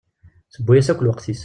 Tewwi-as akk lweqt-is.